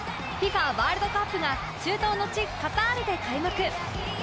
ワールドカップが中東の地カタールで開幕